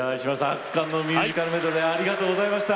圧巻のミュージカルメドレーありがとうございました。